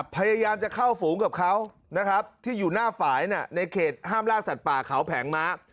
พยายามจะเข้าฝูงกับเขานะครับที่อยู่หน้าฝ่ายในเขตห้ามล่าสัตว์ป่าเขาแผงม้า